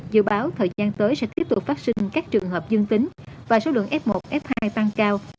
dự báo thời gian tới sẽ tiếp tục phát sinh các trường hợp dương tính và số lượng f một f hai tăng cao